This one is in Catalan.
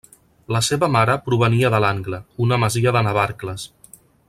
La seva mare provenia de l'Angla, una masia de Navarcles.